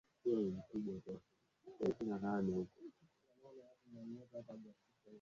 yaliyofanyika katika ukumbi wa mikutano wa kimataifa ya waandishi wa habari uliopo Arusha